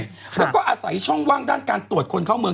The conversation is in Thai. แล้วก็อาศัยช่องว่างด้านการตรวจคนเข้าเมือง